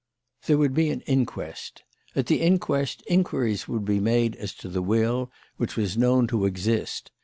"There would be an inquest. At the inquest, inquiries would be made as to the will which was known to exist.